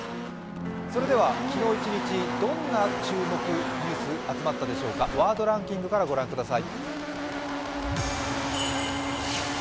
それでは昨日一日どんな注目ニュース集まったでしょうか、ワードランキングから御覧ください。